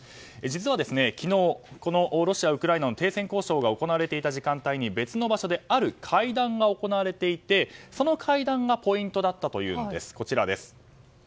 実は昨日ロシア・ウクライナの停戦交渉が行われていた時間帯に別の場所で、ある会談が行われていてその会談がポイントだったというんです。